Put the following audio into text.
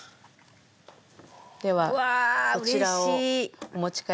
ではこちらをお持ち帰りいただいて。